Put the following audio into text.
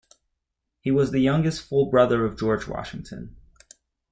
He was the youngest full brother of George Washington.